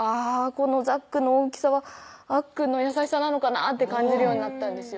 このザックの大きさはあっくんの優しさなのかなって感じるようになったんですよ